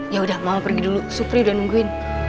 ya udah mau pergi dulu supri udah nungguin